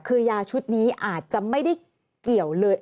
คือยาชุดนี้อาจจะไม่ได้เกี่ยวเลย